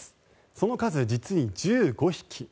その数、実に１５匹。